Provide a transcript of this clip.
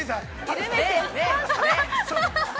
◆緩めて。